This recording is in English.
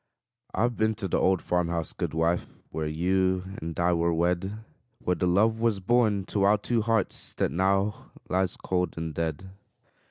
I've been to the old farm house, good wife, Where you and I were wed; Where the love was born to our two hearts That now lies cold and dead.